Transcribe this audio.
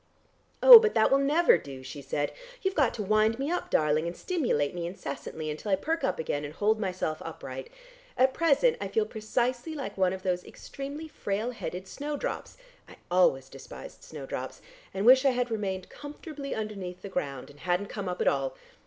"Oh, but that will never do," she said. "You've got to wind me up, darling, and stimulate me incessantly until I perk up again and hold myself upright. At present I feel precisely like one of those extremely frail headed snowdrops I always despised snowdrops and wish I had remained comfortably underneath the ground, and hadn't come up at all.